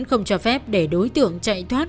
không cho phép để đối tượng chạy thoát